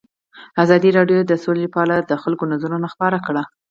ازادي راډیو د سوله په اړه د خلکو نظرونه خپاره کړي.